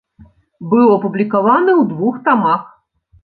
Быў апублікаваны ў двух тамах.